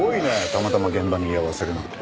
たまたま現場に居合わせるなんて。